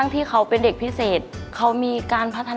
พี่กรเป็นเด็กที่น่ารัก